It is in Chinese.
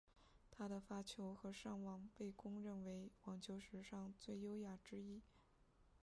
他的发球和上网被公认为网球史上最优雅之一。